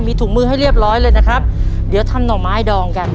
มีถุงมือให้เรียบร้อยเลยนะครับเดี๋ยวทำหน่อไม้ดองกัน